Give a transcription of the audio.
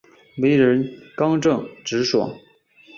为人刚正直爽。